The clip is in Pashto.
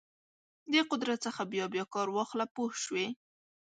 د قدرت څخه بیا بیا کار واخله پوه شوې!.